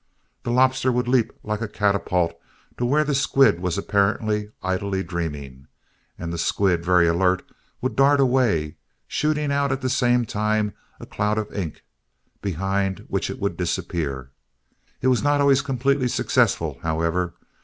The lobster would leap like a catapult to where the squid was apparently idly dreaming, and the squid, very alert, would dart away, shooting out at the same time a cloud of ink, behind which it would disappear. It was not always completely successful, however.